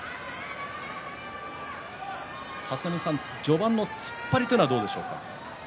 立浪さん、序盤の突っ張りというのはどうでしょうか。